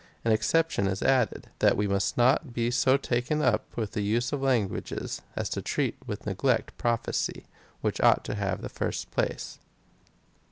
An exception is added — that we must not be so taken up with the use of languages, as to treat with neglect prophecy, which ought to have the first place.